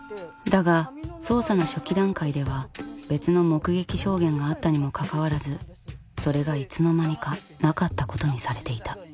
だが捜査の初期段階では別の目撃証言があったにもかかわらずそれがいつの間にかなかったことにされていた。